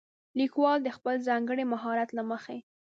ليکوال د خپل ځانګړي مهارت له مخې